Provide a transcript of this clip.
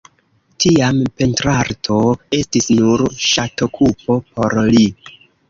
Tiam, pentrarto estis nur ŝatokupo por li.